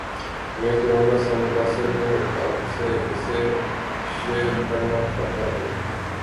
میں کورونا سے متاثر ہوں اپ سے اسے شیئر کرنا چاہتا ہوں